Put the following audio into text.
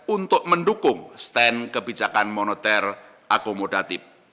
untuk mendukung stand kebijakan moneter akomodatif